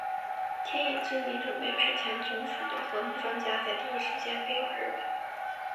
天野之弥准备派遣总署的核能专家在第一时间飞往日本。